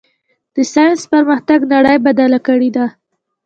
د ساینس پرمختګ نړۍ بدله کړې ده.